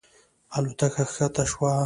الوتکه ښکته شوه.